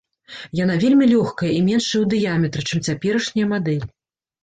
Яна вельмі лёгкая і меншая ў дыяметры, чым цяперашняя мадэль.